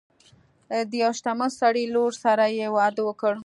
د یو شتمن سړي لور سره یې واده وکړ.